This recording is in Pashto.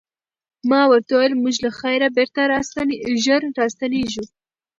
ما ورته وویل موږ له خیره بېرته ژر راستنیږو.